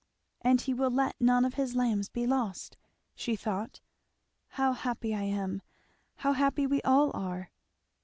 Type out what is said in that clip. "And he will let none of his lambs be lost," she thought. "How happy I am! How happy we all are!"